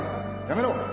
やめろ！